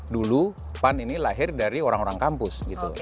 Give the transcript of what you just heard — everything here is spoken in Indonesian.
dulu pan ini lahir dari orang orang kampus gitu